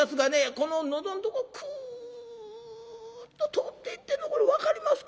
この喉んとこくっと通っていってんのこれ分かりますか？